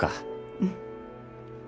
うん。